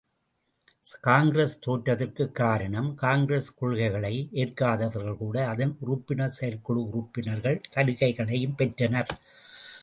காங்கிரஸ் தோற்றதற்குக் காரணம், காங்கிரஸ் கொள்கைகளை ஏற்காதவர்கள் கூட அதன் உறுப்பினர், செயற்குழு உறுப்பினர்கள், சலுகைகளையும் பெற்றனர்.